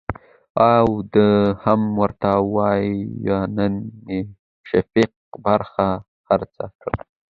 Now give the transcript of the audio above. او دا هم ورته وايه نن مې شفيق برخه خرڅه کړه .